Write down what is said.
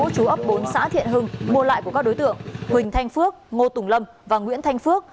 chú ấp bốn xã thiện hưng mua lại của các đối tượng huỳnh thanh phước ngô tùng lâm và nguyễn thanh phước